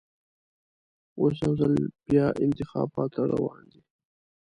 اوس یوځل بیا انتخابات راروان دي.